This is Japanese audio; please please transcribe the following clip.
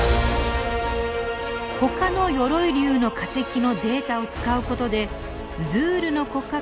ほかの鎧竜の化石のデータを使うことでズールの骨格